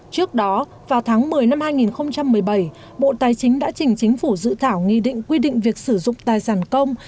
trước đó vào tháng một mươi năm hai nghìn một mươi bảy bộ tài chính đã chỉnh chính phủ dự thảo nghị định quy định việc sử dụng tài sản công